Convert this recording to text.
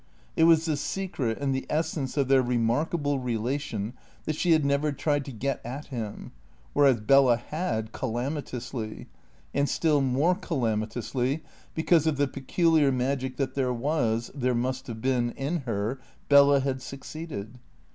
It was the secret and the essence of their remarkable relation that she had never tried to get at him; whereas Bella had, calamitously; and still more calamitously, because of the peculiar magic that there was (there must have been) in her, Bella had succeeded.